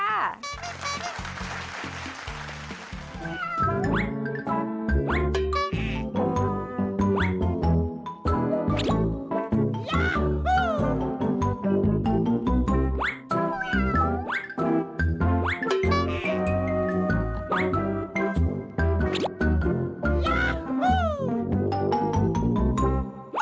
ย้าฮู้